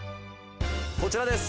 こちらです！